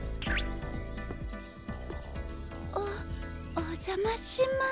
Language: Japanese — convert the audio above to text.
おおじゃまします。